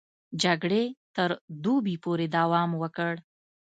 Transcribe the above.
جګړې تر دوبي پورې دوام وکړ.